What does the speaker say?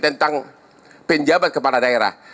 tentang penjabat kepala daerah